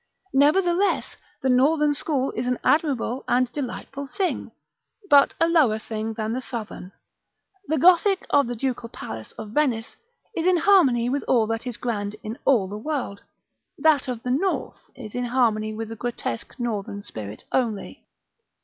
Nevertheless the northern school is an admirable and delightful thing, but a lower thing than the southern. The Gothic of the Ducal Palace of Venice is in harmony with all that is grand in all the world: that of the north is in harmony with the grotesque northern spirit only.